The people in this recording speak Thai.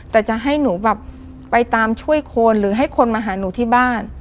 แต่จะให้หนูแบบไปตามช่วยคนหรือให้คนมาหาหนูที่บ้าน